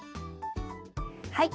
はい。